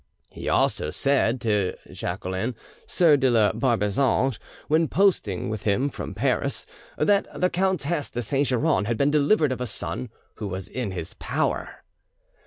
He also said to Jadelon, sieur de la Barbesange, when posting with him from Paris, that the Countess de Saint Geran had been delivered of a son who was in his power.